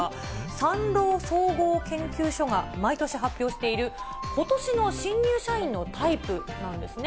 産労総合研究所が毎年発表している、ことしの新入社員のタイプなんですね。